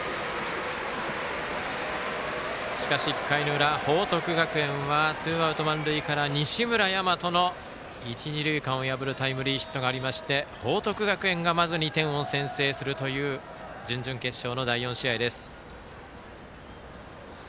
しかし１回の裏、報徳学園はツーアウト、満塁から西村大和の一二塁間を破るタイムリーヒットがありまして報徳学園がまず２点を先制するという準々決勝の第４試合です。